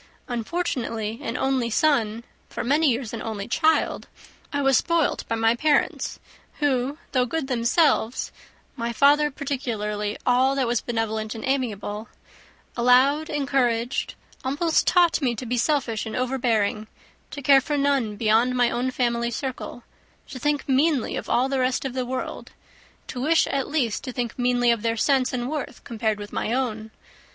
Unfortunately an only son (for many years an only child), I was spoiled by my parents, who, though good themselves, (my father particularly, all that was benevolent and amiable,) allowed, encouraged, almost taught me to be selfish and overbearing, to care for none beyond my own family circle, to think meanly of all the rest of the world, to wish at least to think meanly of their sense and worth compared with my own.